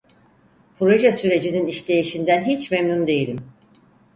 Proje sürecinin işleyişinden hiç memnun değilim.